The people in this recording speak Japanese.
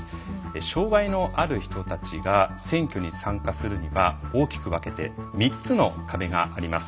障害のある人たちが選挙に参加するには大きく分けて３つの壁があります。